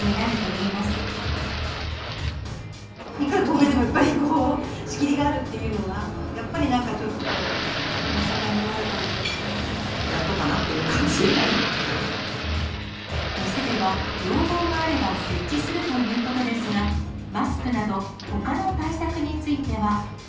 いくら透明でもやっぱり仕切りがあるっていうのは、やっぱり、なんかちょっとこう、やっとかなっていう感じでは店では、要望があれば設置するということですが、マスクなど、ほかの対策については。